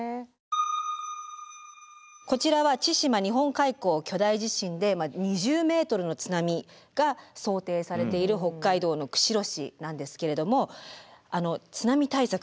こちらは千島・日本海溝巨大地震で２０ｍの津波が想定されている北海道の釧路市なんですけれども津波対策